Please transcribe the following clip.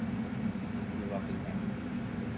Yvapytã'i